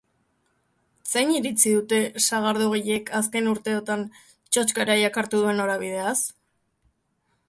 Zein iritzi dute sagardogileek azken urteotan txotx garaiak hartu duen norabideaz?